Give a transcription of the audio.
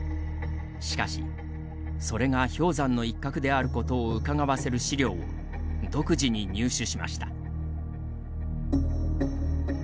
しかしそれが氷山の一角であることをうかがわせる資料を独自に入手しました。